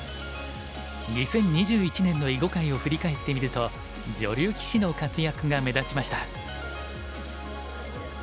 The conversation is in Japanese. ２０２１年の囲碁界を振り返ってみると女流棋士の活躍が目立ちました。